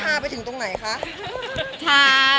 นี่ทาไปถึงตรงไหนคะ